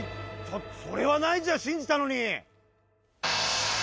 それないだろ、信じたのに！